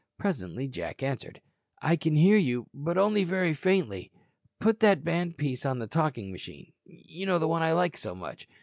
Presently Jack answered: "I can hear you, but only very faintly. Put that band piece on the talking machine. You know the one I like so much.